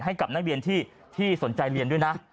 ให้กับนักเรียนที่สนใจเรียนด้วยนะ